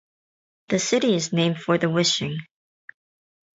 The city is named for The Wishing.